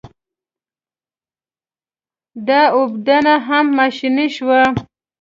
د اوبدنه هم ماشیني شوه.